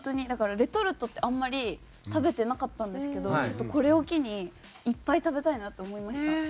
だからレトルトってあんまり食べてなかったんですけどちょっとこれを機にいっぱい食べたいなと思いました。